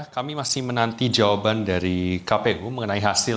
kami masih menanti jawaban dari kpu mengenai hasil